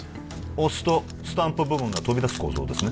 押すとスタンプ部分が飛び出す構造ですね